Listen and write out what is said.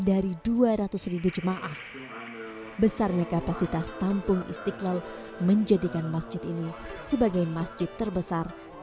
di asia tenggara